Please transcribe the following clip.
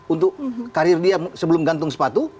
untuk karir dia sebelum gantung sepatu